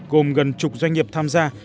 gồm gần chục doanh nghiệp tham gia